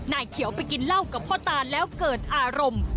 นายเขียวไปกินเหล้ากับพ่อตาแล้วเกิดอารมณ์